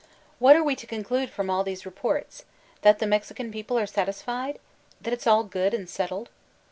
What are we to conclude from all these reports? That the Mexican people are satisfied? That it's all good and settled